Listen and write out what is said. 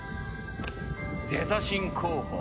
デザ神候補！